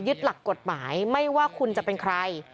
หลักกฎหมายไม่ว่าคุณจะเป็นใคร